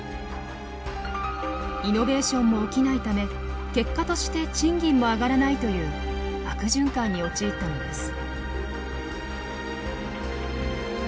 イノベーションも起きないため結果として賃金も上がらないという悪循環に陥ったのです。